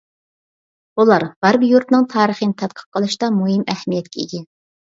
بۇلار غەربىي يۇرتنىڭ تارىخىنى تەتقىق قىلىشتا مۇھىم ئەھمىيەتكە ئىگە.